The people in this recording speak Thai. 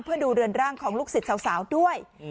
เพื่อดูเรือนร่างของลูกศิษย์สาวด้วย